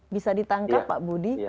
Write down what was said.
bisa ditangkap pak budi